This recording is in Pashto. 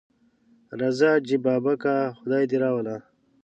راځه حاجي بابکه خدای دې راوله.